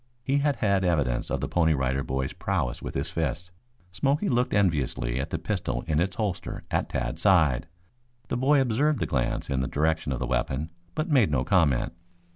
He had had evidence of the Pony Rider Boy's prowess with his fists. Smoky looked enviously at the pistol in its holster at Tad's side. The boy observed the glance in the direction of the weapon, but made no comment.